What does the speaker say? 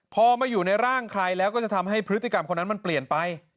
พอมาอยู่ในร่างใครแล้วก็จะทำให้พฤติกรรมคนนั้นมันเปลี่ยนไป